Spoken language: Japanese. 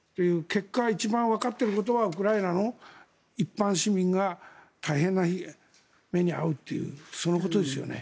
結果、一番わかっていることはウクライナの一般市民が大変な目に遭うというそのことですよね。